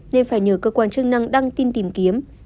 nên phải nhờ cơ quan chức năng đăng tin tìm kiếm